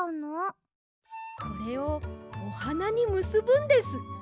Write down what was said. これをおはなにむすぶんです。